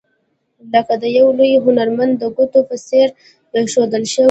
لکه د یو لوی هنرمند د ګوتو په څیر ایښودل شوي.